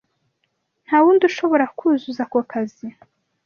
Ntawundi ushobora kuzuza ako kazi.